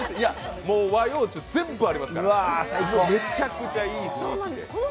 和洋中、全部ありますからめちゃくちゃいい雰囲気です。